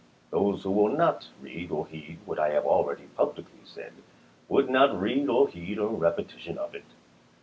Those who will not read or heed what I have already publicly said would not read or heed a repetition of it.